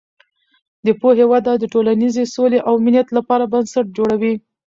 د پوهې وده د ټولنیزې سولې او امنیت لپاره بنسټ جوړوي.